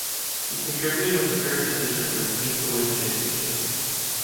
He contributed with a third position for his team to win the championship.